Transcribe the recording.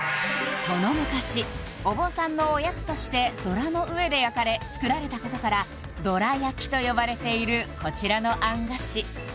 その昔お坊さんのおやつとして銅鑼の上で焼かれ作られたことからどら焼と呼ばれているこちらの餡菓子